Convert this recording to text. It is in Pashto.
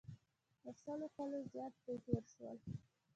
له سلو کالو زیات پرې تېر شول.